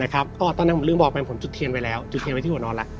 ก็ตอนนั้นผมลืมบอกไปผมจุดเทียนไว้แล้วจุดเทียนไว้ที่หัวนอนแล้ว